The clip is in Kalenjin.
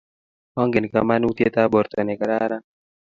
Angen kamanutyetap borto ne kararan